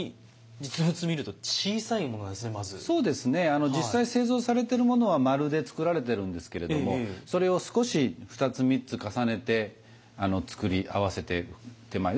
実際製造されてるものは丸で作られてるんですけれどもそれを少し２つ３つ重ねて作り合わせて手前では使うようにしています。